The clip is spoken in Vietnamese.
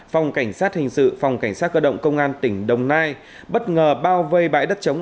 phòng cảnh sát hình sự phòng cảnh sát cơ động công an tỉnh đồng nai bất ngờ bao vây bãi đất chống